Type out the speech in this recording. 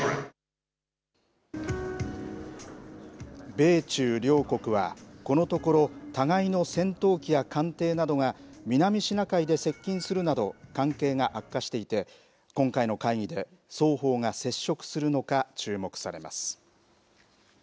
米中両国はこのところ、互いの戦闘機や艦艇などが、南シナ海で接近するなど、関係が悪化していて、今回の会議で双方が接触するのか注目されます。